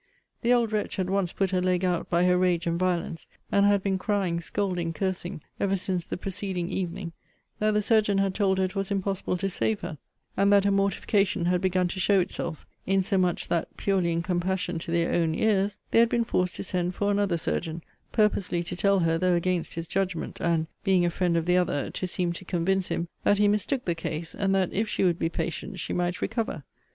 The old wretch had once put her leg out by her rage and violence, and had been crying, scolding, cursing, ever since the preceding evening, that the surgeon had told her it was impossible to save her; and that a mortification had begun to show itself; insomuch that, purely in compassion to their own ears, they had been forced to send for another surgeon, purposely to tell her, though against his judgment, and (being a friend of the other) to seem to convince him, that he mistook the case; and that if she would be patient, she might recover.